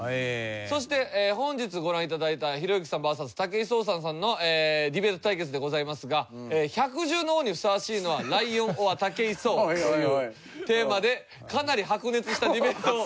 そして本日ご覧頂いたひろゆきさんＶＳ武井壮さんのディベート対決でございますが「百獣の王にふさわしいのはライオンｏｒ武井壮」というテーマでかなり白熱したディベートを。